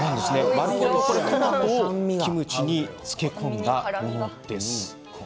丸ごとトマトをキムチに漬け込んだものです。